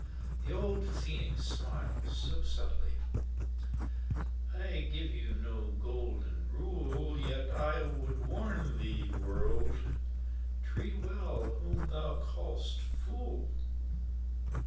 The old Sphinx smiles so subtly:"I give no golden rule,—Yet would I warn thee, World: treat wellWhom thou call'st fool."